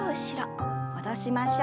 戻しましょう。